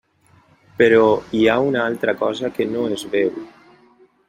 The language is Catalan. Però hi ha una altra cosa que no es veu.